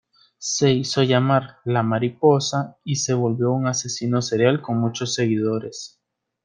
Se hizo llamar la "mariposa" y se volvió un asesino serial con muchos seguidores.